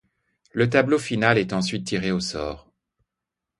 Le tableau final est ensuite tiré au sort.